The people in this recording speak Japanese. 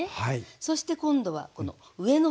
そして今度はこの上のほう。